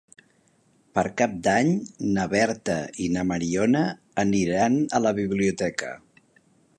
Per Cap d'Any na Berta i na Mariona aniran a la biblioteca.